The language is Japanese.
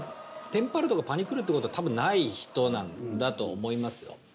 テンパるとかパニクるってことはたぶんない人なんだと思います。